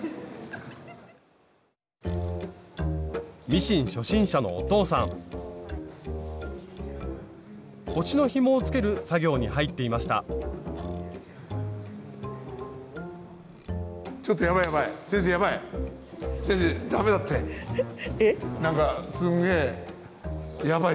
ミシン初心者のお父さん腰のひもをつける作業に入っていましたえっ？